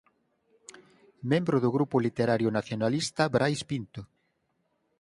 Membro do grupo literario nacionalista Brais Pinto.